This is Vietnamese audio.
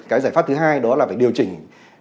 cái giải pháp thứ hai đó là phải điều chỉnh